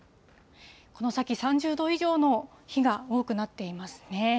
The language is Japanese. この先、３０度以上の日が多くなっていますね。